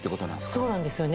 そうなんですよね